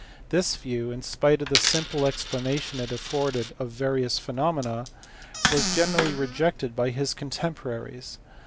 This view, in spite of the simple explanation it afforded of various phenomena, was generally rejected by his contemporaries.